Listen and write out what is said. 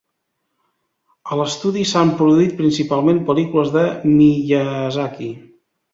A l’estudi s’han produït, principalment, pel·lícules de Miyazaki.